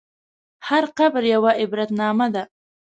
هر قبر یوه عبرتنامه ده.